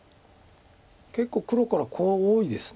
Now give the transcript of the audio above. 結構黒からコウ多いです。